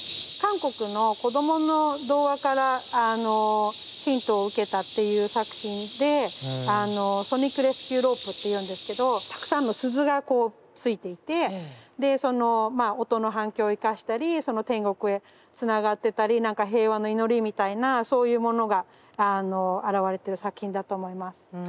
韓国の子供の童話からヒントを受けたっていう作品で「ソニックレスキューロープ」って言うんですけどたくさんの鈴がこうついていてでそのまあ音の反響を生かしたり天国へつながってたり何か平和の祈りみたいなそういうものが表れてる作品だと思います。